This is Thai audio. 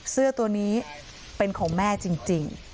เสื้อตัวนี้เป็นของแม่จริง